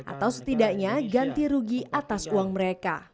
atau setidaknya ganti rugi atas uang mereka